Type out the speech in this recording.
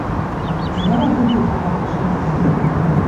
Здаровы быў кавалак жалеза.